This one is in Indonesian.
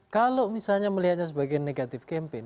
kalau misalnya melihatnya sebagai negatif campaign